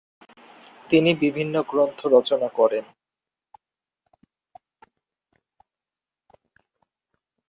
তিনি বিভিন্ন গ্রন্থ রচনা করেন।